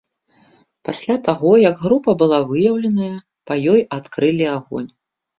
Пасля таго, як група была выяўленая, па ёй адкрылі агонь.